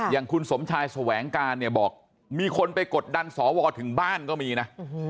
อย่างคุณสมชายแสวงการเนี่ยบอกมีคนไปกดดันสวถึงบ้านก็มีนะ